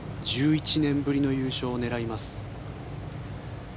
１１年ぶりの優勝を狙います。